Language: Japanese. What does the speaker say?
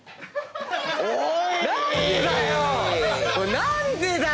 何でだよ！